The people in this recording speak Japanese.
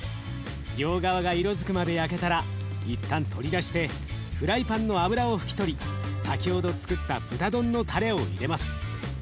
両側が色づくまで焼けたら一旦取り出してフライパンの脂を拭き取り先ほどつくった豚丼のたれを入れます。